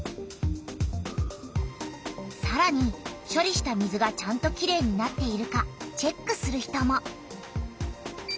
さらにしょりした水がちゃんときれいになっているかチェックする人も。